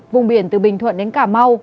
vùng biển từ bình thuận đến cà mau